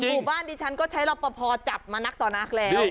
หมู่บ้านดิฉันก็ใช้รอปภจับมานักต่อนักแล้ว